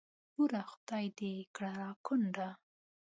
بورې خدای دې کړه را کونډه.